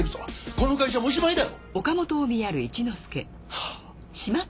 この会社もおしまいだ！